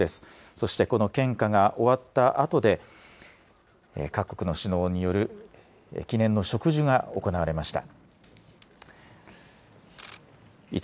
そしてこの献花が終わったあとで各国の首脳による記念の植樹が行われました。